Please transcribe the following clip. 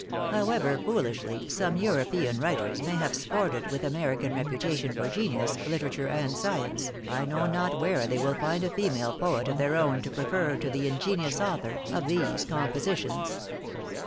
However foolishly some European writers may have sported with American reputation for genius, literature and science, I know not where they will find a female poet of their own to prefer to the ingenious author of these compositions."